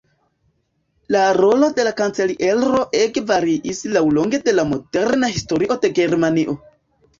La rolo de la Kanceliero ege variis laŭlonge de la moderna historio de Germanio.